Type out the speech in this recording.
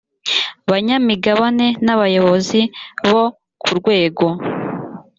banyamigabane n abayobozi bo ku rwego